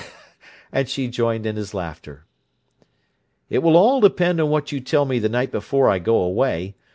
And she joined in his laughter. "It will all depend on what you tell me the night before I go away.